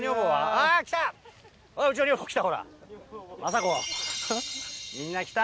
あー、来た。